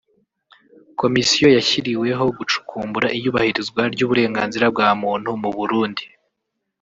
Komisiyo yashyiriweho gucukumbura iyubahirizwa ry’uburenganzira bwa muntu mu Burundi